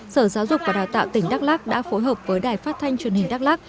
sở giáo dục và đào tạo tỉnh đắk lắc đã phối hợp với đài phát thanh truyền hình đắk lắc